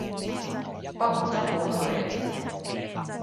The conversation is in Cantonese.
幫我執好佢